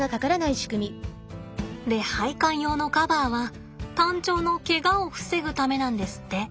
で配管用のカバーはタンチョウのケガを防ぐためなんですって。